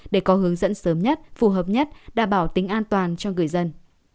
để có hướng dẫn sớm nhất phù hợp nhất đảm bảo tính an toàn cho người dân